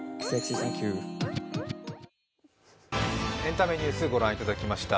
エンタメニュースご覧いただきました。